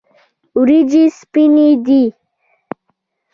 وریجې سپینې دي.